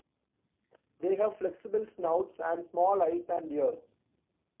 They have flexible snouts and small eyes and ears.